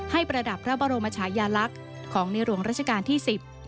ประดับพระบรมชายาลักษณ์ของในหลวงราชการที่๑๐